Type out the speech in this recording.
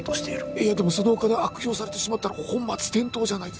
いやでもそのお金を悪用されてしまったら本末転倒じゃないです